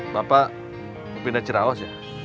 bapak pindah ciraos ya